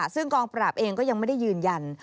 ซึ่งกองปราบเองก็ยังไม่ได้ยืนยัน